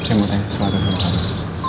saya mau tanya sesuatu sama andin